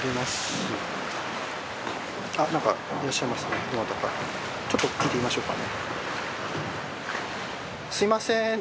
すみません。